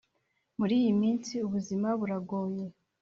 muri iyi minsi ubuzima buragoye.